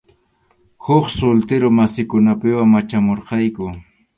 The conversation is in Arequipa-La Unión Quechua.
Huk sultarumasikunapuwan machamurayku.